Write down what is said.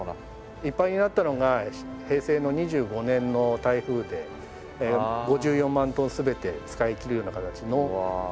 いっぱいになったのが平成の２５年の台風で５４万トン全て使い切るような形の貯水量がありました。